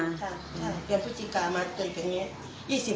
ใช่ใช่เดือนพุทธิกามาเกิดแบบนี้